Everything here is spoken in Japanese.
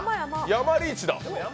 山リーチだ。